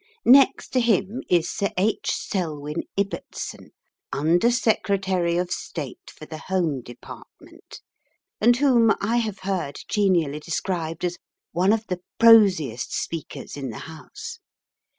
Next to him is Sir H. Selwin Ibbetson, Under Secretary of State for the Home Department, and whom I have heard genially described as "one of the prosiest speakers in the House."